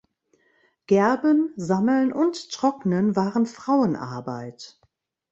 Gerben, Sammeln und Trocknen waren Frauenarbeit.